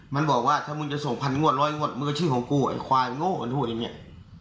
มันบอกว่าถ้ามึงจะส่งพันงวดร้อยงวดมันก็ชื่อของกูไอ้ควายโง่ของด้วยเนี่ย